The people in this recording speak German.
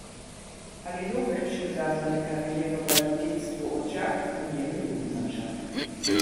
Halilović begann seine Karriere bei Jedinstvo Odžak in deren Jugendmannschaft.